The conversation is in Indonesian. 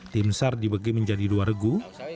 tim sar dibegi menjadi dua regu